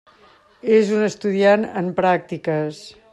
És un estudiant en pràctiques.